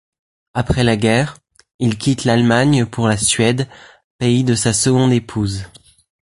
Après la guerre, il quitte l'Allemagne pour la Suède, pays de sa seconde épouse.